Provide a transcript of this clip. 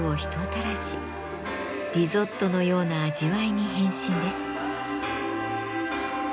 リゾットのような味わいに変身です。